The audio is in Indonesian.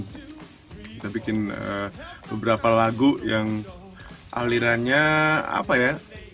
kita bikin beberapa lagu yang alirannya apa ya